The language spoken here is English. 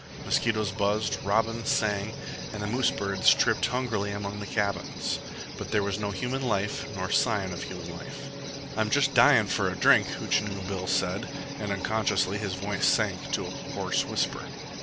Mosquitoes buzzed, robins sang, and moose birds tripped hungrily among the cabins; but there was no human life nor sign of human life. "I'm just dyin' for a drink," Hootchinoo Bill said and unconsciously his voice sank to a hoarse whisper.